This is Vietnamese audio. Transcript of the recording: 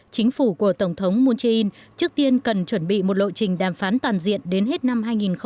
chính phủ của tổng thống moon jae in trước tiên cần chuẩn bị một lộ trình đàm phán toàn diện đến hết năm hai nghìn hai mươi